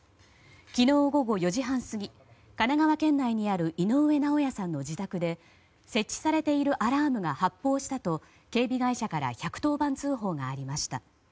昨日午後４時半過ぎ神奈川県内にある井上尚弥さんの自宅で設置されているアラームが発報したと警備会社から１１０番通報がありました。